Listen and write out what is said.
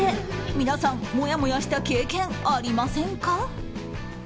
皆さん、もやもやした経験ありませんか？